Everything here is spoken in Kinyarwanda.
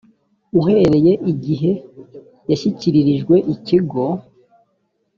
uhereye igihe yashyikiririjwe ikigo